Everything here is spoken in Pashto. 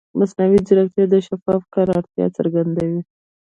مصنوعي ځیرکتیا د شفاف کار اړتیا څرګندوي.